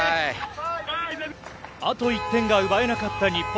あと１点が奪えなかった日本。